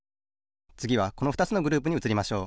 つぎはこのふたつのグループにうつりましょう。